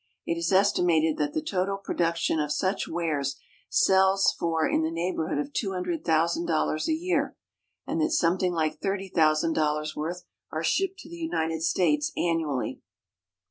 It is estimated that the total production of such wares sells for in the neighbourhood of two hundred thousand dollars a year, and that something like thirty thousand dollars' worth are shipped to the United States annually.